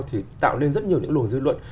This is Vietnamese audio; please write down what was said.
thì tạo nên rất nhiều những luồng dư luận